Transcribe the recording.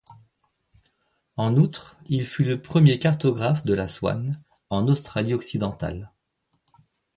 En outre, il fut le premier cartographe de la Swan, en Australie-Occidentale.